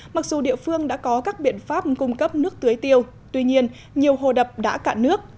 mặc dù địa phương đã có các biện pháp cung cấp nước tưới tiêu tuy nhiên nhiều hồ đập đã cạn nước